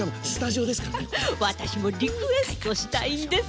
わたしもリクエストしたいんです。